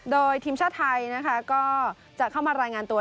โดยทีมชาติไทยนะคะก็จะเข้ามารายงานตัว